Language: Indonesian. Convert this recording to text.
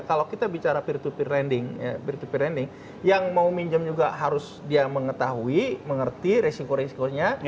kalau kita bicara peer to peer lending yang mau minjam juga harus dia mengetahui mengerti risiko risikonya